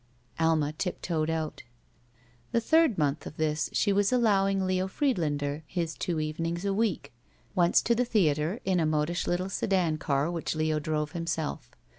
Alma tiptoed out. The third month of this she was allowing Leo Friedlander his two evenings a week. Once to the theater in a modish little sedan car which Leo drove himself.